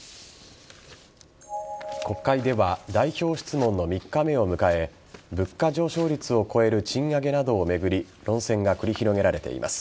国会では代表質問の３日目を迎え物価上昇率を超える賃上げなどを巡り論戦が繰り広げられています。